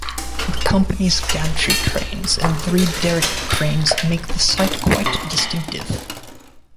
The company's gantry cranes and three Derrick cranes make the site quite distinctive.